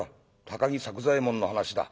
高木作久左右衛門の話だ」。